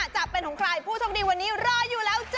จะเป็นของใครผู้โชคดีวันนี้รออยู่แล้วจ้